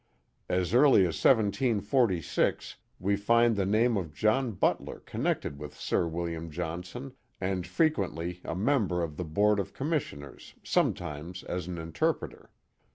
As early as 1746 we find the name of John Butler connected with Sir W. Johnson and frequently a member of the board of com missioners, sometimes as an interpreter.